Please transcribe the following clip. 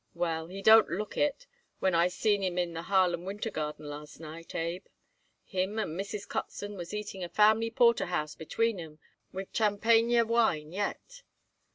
"Well, he don't look it when I seen him in the Harlem Winter Garden last night, Abe. Him and Mrs. Kotzen was eating a family porterhouse between 'em with tchampanyer wine yet."